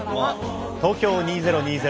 東京２０２０